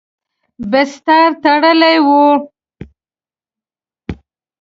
بستر تړلی و.